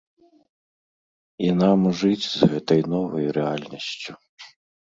І нам жыць з гэтай новай рэальнасцю.